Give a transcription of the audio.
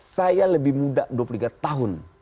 saya lebih muda dua puluh tiga tahun